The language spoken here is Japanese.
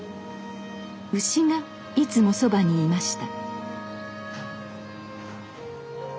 牛がいつもそばにいました。